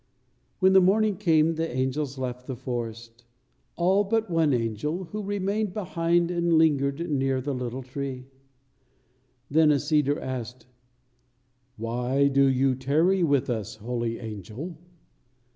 When the morning came the angels left the forest, all but one angel, who remained behind and lingered near the little tree. Then a cedar asked: "Why do you tarry with us, holy angel?"